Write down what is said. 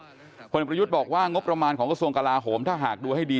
เพราะพเอกประยุทธ์บอกว่างงบมของกระทรวงกระทรวงอื่นถ้าหากดูให้ดี